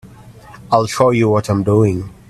I'll show you what I'm doing.